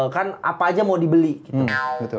kan apa aja mau dibeli gitu